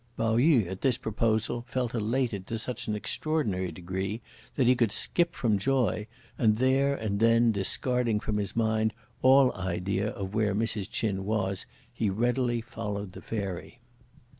Pao yü, at this proposal, felt elated to such an extraordinary degree that he could skip from joy, and there and then discarding from his mind all idea of where Mrs. Ch'in was, he readily followed the Fairy.